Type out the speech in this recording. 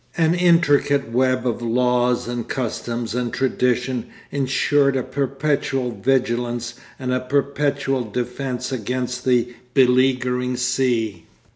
An intricate web of laws and custom and tradition ensured a perpetual vigilance and a perpetual defence against the beleaguering sea.